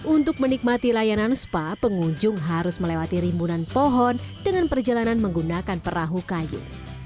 untuk menikmati layanan spa pengunjung harus melewati rimbunan pohon dengan perjalanan menggunakan perahu kayu